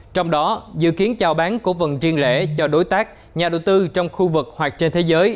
trong đó dự kiến trao bán cổ phần riêng lễ cho đối tác nhà đầu tư trong khu vực hoặc trên thế giới